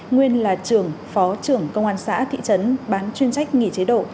nguyên là trưởng phó trưởng công an xã thị trấn bán chuyên trách nghỉ chế độ